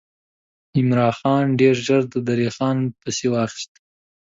عمرا خان ډېر ژر د دیر خان پسې واخیست.